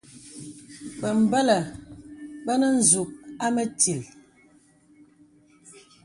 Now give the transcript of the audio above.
Bəmbə̀lə bə nə nzūk à mətíl.